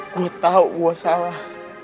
gue tau gue salah